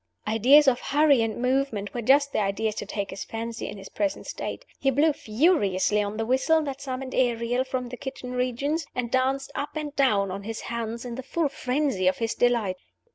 Ideas of hurry and movement were just the ideas to take his fancy in his present state. He blew furiously on the whistle that summoned Ariel from the kitchen regions, and danced up and down on his hands in the full frenzy of his delight.